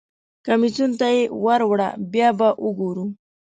کمیسیون ته یې ور وړه بیا به وګورو.